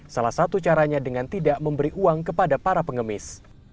salah satu caranya dengan tidak memberi uang kepada para pengemis